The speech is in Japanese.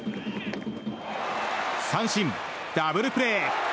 三振、ダブルプレー！